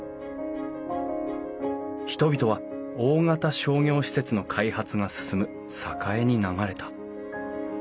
人々は大型商業施設の開発が進む栄に流れた。